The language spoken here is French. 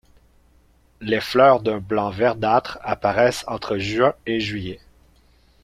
Les fleurs d'un blanc verdâtre apparaissent entre juin et juillet.